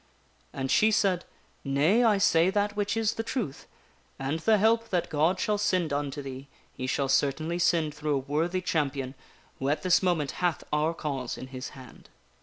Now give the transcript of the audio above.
And she said: "Nay, I say that which is the truth; and the help that God shall send unto thee he shall certainly send through a worthy champion who at this moment hath our cause in his hand."